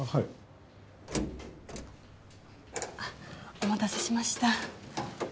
お待たせしました。